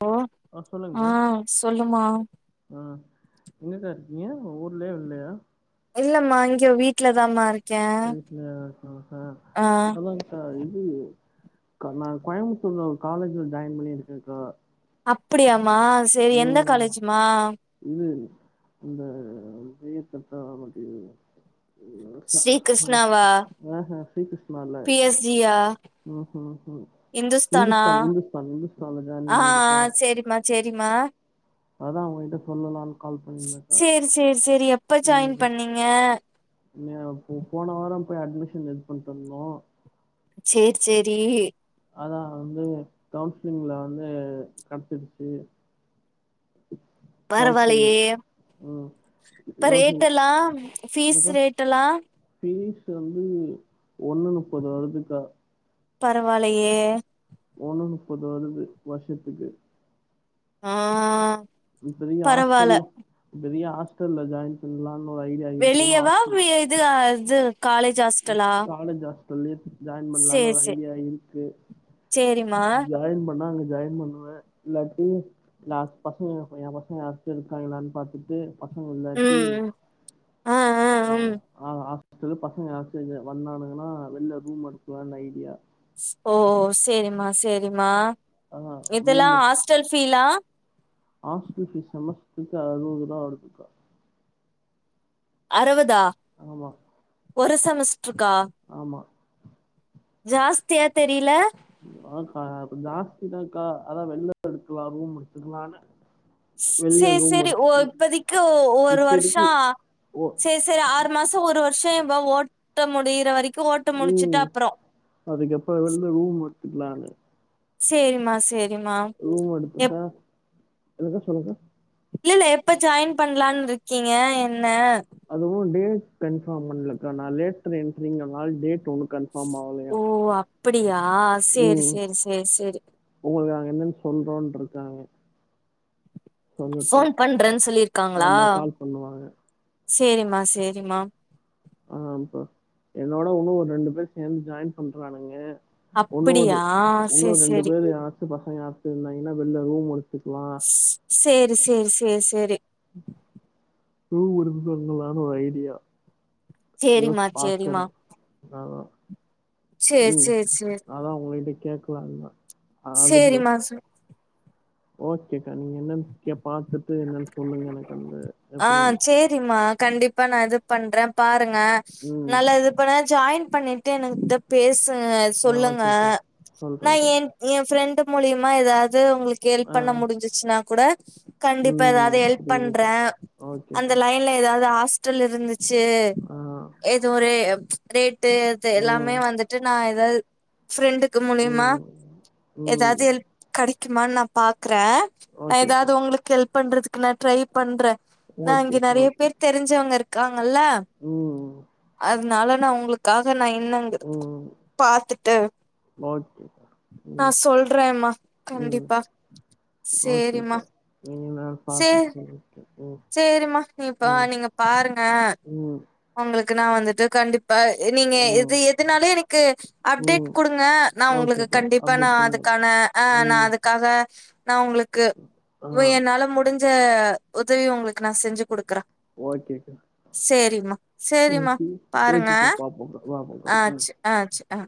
சொல்லு ஆ சொல்லுங்கா ஆ எங்க கா இருக்கீங்க உங்க ஊர்லயா வெள்ளயா இல்லம்மா இங்க வீட்லதாமா இரு வீட்ல யார் இருக்காங்ககா அண்ண எங்க கா இது கா நா கோயம்புத்தூர்ல ஒரு காலேஜ்ல ஜாய்ன் பண்ணிருக்கேன்க்கா அப்பிடியாம செரி எந்த ம் காலேஜுமா இது இந்த இப்டியே தெக்கால இருக்குல ஸ்ரீ கிருஷ்ணாவா ஆ ஹ ஸ்ரீ கிர்ஷ்னால பி இர்க்கு எஸ் ஜி யா ம் ம் ம் இந்துஸ்தானா இந்துஸ்தான் இந்துஸ்தான் இந்துஸ்தான்ல ஜாய்ன் பண்ணிருக்கே சேரிமா அதான் உங்ககிட்ட சொல்லலானு சேரி சேரி சேரி எப்ப ஜாய்ன் பண்ணீங்க இங்க போ போன வாரோ போய் அட்மிஷன் இது பண்ணிட்வந்தோ சேர் சேரி அதா வந்து கவுன்சிலிங்ல வந்து கெட்ச்சுடுச்சு கவுன்சிலிங் பரவாலயே ம் இப்ப கவுன்சிலிங் ரேட்டெலா ஃபிஸ் எனக்கா ரேட்டெலா ஃபீஸ் வந்து ஒன்னு முப்பது வருதுக்கா பரவாலயே ஒன்னு முப்பது வருது வருஷத்துக்கு ஆ இப்பதைக்கு ஹாஸ்டல் பரவால்ல வெளிய ஹாஸ்டல்ல ஜாய்ன் பண்லானு ஒரு ஐடியா இருக்கு வெளியவா ஆஸ்டல் வி இது அது காலேஜ் ஹாஸ்டலா காலேஜ் ஹாஸ்டல்லே ஜாய்ன் பண்லானு ஒரு ஐடியா இருக்கு சேரிம் ஜாய்ன் பண்ணா அங்க ஜாய்ன் பண்லா இல்லாடி கிளாஸ் பசங்க இங்க யாராச்சு ஹாஸ்டல் இருக்காய்ங்களான் பாத்துட்டு ப இல்லாட்டி ம் ஆ ஆ ம் ஆமா ஹாஸ்டல் பசங்க யாராச்சு இங்க வந்தாங்கனா வெளில ரூம் எடுக்லான் ஐடியா ஓ சேரிமா சேரிமா ஆ இதெல்லா ரூமு ஹாஸ்டல் ஃபீலா ஹாஸ்டல் ஃபீஸ் வந்து செமஸ்ட்ருக்கு அறுவதுருவா வருதுக்கா அறுவதா ஆமா ஒரு செமஸ்ட்ருக்கா ஆமா ஜாஸ்தியா தெரியல ன்க்கா ஜாஸ்தி தான்கா அதா வெளில எடுத்துகலா ரூம் எடுத்துக்கலானு சேர் சேரி ஒ இப்பதைக்கு ஒரு இப்பதைக்கு வருஷோ ஓ சேர் சேரி ஆறு மாசம் ஒரு வருஷம் ஓட்ட முடியிற வரைக் ம் அதுக்கப்பற வெளில ரூம் எடுத்துக்கலானு சேரிமா சேரிமா ரூம் எடுத்துட்டா என்னக்கா சொல்லுக்கா இல்ல இல்ல எப்ப ஜாயின் பண்லானு இருக்கீங்க என்ன அதுவு டேட் கன்ஃபார்ம் பண்லக்கா நா லேட்டர் என்டரிங்கறனால டேட் ஒன்னு கன்ஃபார்ம் ஆகலயா அப்படியா சேரி சேரி சேரி சேரி உங்ளுக்கு அங்க என்னன்னு சொல்றோன்னு இருக்காங்க போன் சொல்லட்டும் பண்றேனு சொல்லிருக்காங்களா ஆமா கால் பண்ணுவாங்க சேரிமா சேரிமா ஆமாகா என்னோட இண்ணு ஒரு ரெண்டு பேர் சேந்து ஜாயின் பண்றானுங்க வுன்னொரு அப்படியா உன்னு சேரி ரெண்டு சேரி பேரு யாராச்சும் பசங்க யாராச்சு [unintelligible] வெளில ரூம் எடுத்துக்கலா சேரி சேரி சேரி சேரி தூங்கி [unintelligible] கலான்னு ஒரு ஐடியா நியூஸ் சேரிம்மா சேரிம்மா பாக்கறா அதாதா சேரி ம் சேரி சேரி அதா உங்கள்ட்ட கேக்கலான்தா சேரிமா [unintelligible] ஓகேக்கா நீங்க என்னனு [unintelligible] பாத்துட்டு என்னன் சொல்லுங்க எனக்கு வந்து ஆ சேரிம்மா கண்டிப்பா நா இது பண்றே பாருங்க ம் நல்லா இது பண்னோ ஜாயின் பண்ணிட்டு எனுக்ன்ட்ட பேசுங்க ஆ சொல்லுங்க ஓகேக்கா நா சொல்றேன்க்கா என் எ ஃப்ரெண்டு் மூலயுமா ஏதாவது உங்ளுக்கு ஹெல்ப் பண்ண ஆ முடிஞ்சிச்சுனா கூட கண்டிப்பா ம் ஏதாவது ஹெல்ப் புரியுதுக்கா பண்றே அந்த ஓகேக்கா லைன்ல ஏதாவது ஹாஸ்டல் இருந்துச்சி ஆ ஏதுரே ரேட்டு அது எல்லாமே ம் வந்துட்டு நா ஏதாவது ஃப்ரெண்டுக்கு மூலயுமா ம் ஏதாவ்து ம் ஹெல்ப் கடைக்குமானு நா பாக்றே நா ஓகேக்கா ஏதாவது உங்ளுக்கு ஹெல்ப் பண்றதுக்கு நா ட்ரை பண்றே நா இங்க ஓகேக்கா நெறைய பேர் ஓகேக்கா தெரிஞ்சவங்க இருக்காங்கல்ல ம் அதனால நா உங்களுக்காக நா என்னங்கறது பாத்துட்டே ஓகே [unintelligible] நா சொல்றேம்மா கண்டிப்பா சேரிம்மா ஓகேக்கா ம் நா பாத்துட் சொல்றே சேரிமா நீங்ப்ப நீங்க பாருங்க ம் உங்ளுக்கு நா வந்துட்டு கண்டிப்பா நீங்க இது ம் எதுனாலு எனுக்கு அப்டேட் ம் குடுங்க நா உங்ளுக்கு ஓகேக்கா கண்டிப்பா நா அப்டேட் பண்ணு அதுக்கான ஆ நா ம் அது காக நா உங்ளுக்கு ஆ வே என்னால முடிஞ் ஞ்ச உதவி உங்ளுக்கு நா செஞ்சு குடுக்கறே ஓகே சேர் சேரிம்மா ஓகே பேசிதா பாப்போங்க ஆச்சு ஆச்சு ஆ